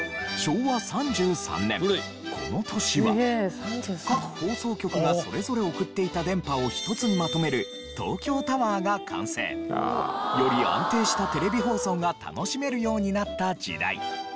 この年は各放送局がそれぞれ送っていた電波を１つにまとめるより安定したテレビ放送が楽しめるようになった時代。